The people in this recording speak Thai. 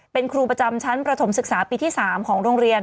เป็นครูประจำชั้นประถมศึกษาปีที่๓ของโรงเรียน